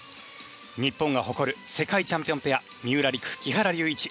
日本が誇る世界チャンピオンペア三浦璃来、木原龍一。